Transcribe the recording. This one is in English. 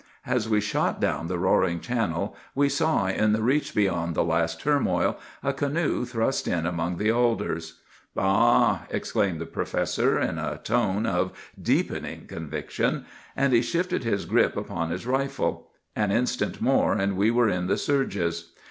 As we shot down the roaring channel we saw, in the reach beyond the last turmoil, a canoe thrust in among the alders. "'Ah h h!' exclaimed the professor, in a tone of deepening conviction; and he shifted his grip upon his rifle. An instant more and we were in the surges.